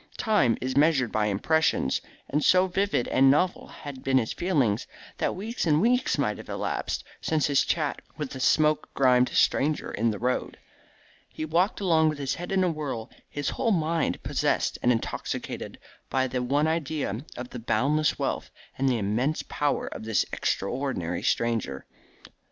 Time is measured by impressions, and so vivid and novel had been his feelings, that weeks and weeks might have elapsed since his chat with the smoke grimed stranger in the road. He walked along with his head in a whirl, his whole mind possessed and intoxicated by the one idea of the boundless wealth and the immense power of this extraordinary stranger.